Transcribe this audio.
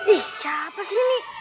ih siapa sih ini